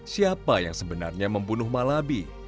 siapa yang sebenarnya membunuh malabi